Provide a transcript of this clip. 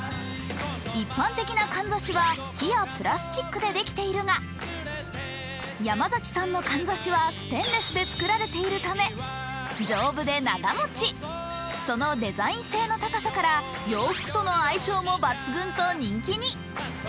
一般的なかんざしは木やプラスチックでできているが山崎さんのかんざしはステンレスで作られているため丈夫で長持ち、そのデザイン性の高さから洋服の相性とも抜群と人気に。